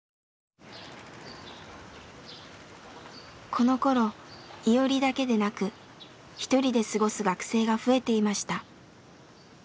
このころイオリだけでなく一人で過ごす学生が増えていました。